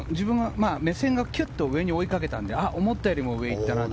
目線が上に追いかけてので思ったより上に行ったなと。